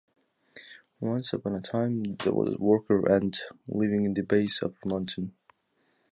Once upon a time, there was a worker ant living in the base of a mountain.